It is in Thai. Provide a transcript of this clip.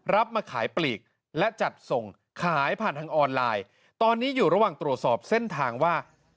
มาขายปลีกและจัดส่งขายผ่านทางออนไลน์ตอนนี้อยู่ระหว่างตรวจสอบเส้นทางว่า